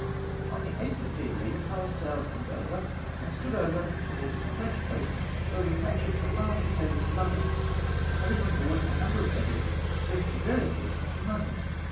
On the 8tli of February, the Pallas sailed from Dover, and stood over towards the French coast, where we captured a fast sailing lugger, having on board a number of letters addressed to various persons in London.